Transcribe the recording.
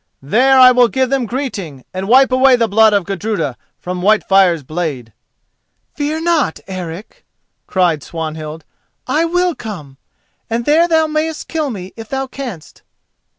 There I will give them greeting, and wipe away the blood of Gudruda from Whitefire's blade." "Fear not, Eric," cried Swanhild, "I will come, and there thou mayst kill me, if thou canst."